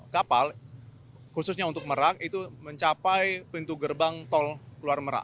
kapal khususnya untuk merak itu mencapai pintu gerbang tol keluar merak